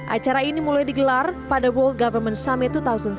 acara ini mulai digelar pada world government summit dua ribu sembilan belas